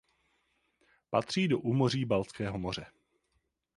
Patří do úmoří Baltského moře.